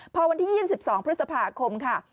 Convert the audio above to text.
พอวันที่๒๒พฤษภาคมค่ะ